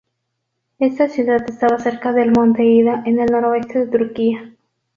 Esta ciudad estaba cerca del Monte Ida, en el noroeste de Turquía.